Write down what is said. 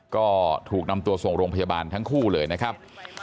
ก็ถูกนำตัวส่งโรงพยาบาลทั้งคู่เลยนะครับ